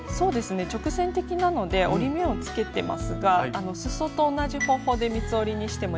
直線的なので折り目をつけてますがすそと同じ方法で三つ折りにしてもいいですね。